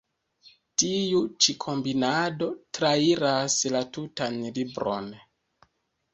Tiu ĉi „kombinado“ trairas la tutan libron.